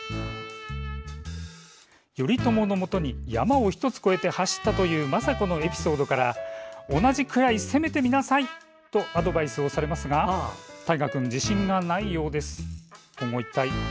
頼朝のもとに山を１つ越えて走ったという政子のエピソードから「同じくらい攻めてみなさい」とアドバイスをされますが大河君、自信がないようです。